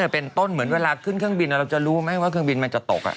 เป็นต้นเหมือนเวลาขึ้นเครื่องบินเราจะรู้ไหมว่าเครื่องบินมันจะตก